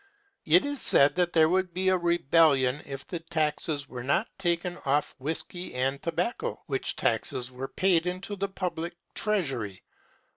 It was said that there would be a rebellion if the taxes were not taken off whiskey and tobacco, which taxes were paid into the public Treasury.